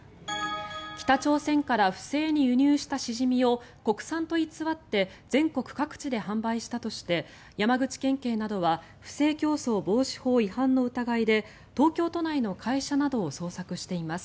北朝鮮から不正に輸入したシジミを国産と偽って全国各地で販売したとして山口県警などは不正競争防止法違反の疑いで東京都内の会社などを捜索しています。